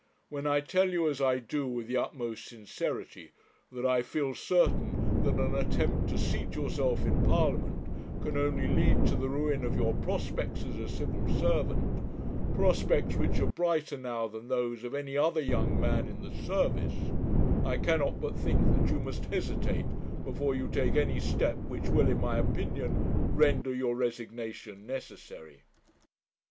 When I tell you, as I do with the utmost sincerity, that I feel certain that an attempt to seat yourself in Parliament can only lead to the ruin of your prospects as a Civil servant prospects which are brighter now than those of any other young man in the service I cannot but think that you must hesitate before you take any step which will, in my opinion, render your resignation necessary.'